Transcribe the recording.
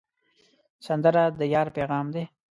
سندره د یار پیغام دی